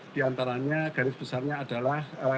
di antaranya garis besarnya adalah